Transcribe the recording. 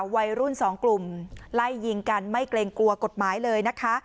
วัยรุ่นสองกลุ่มไล่ยิงกันไม่เกรงกลัวกฎหมายเลยนะคะ